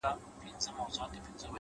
مودې وشوې تنده غوړام له دریابه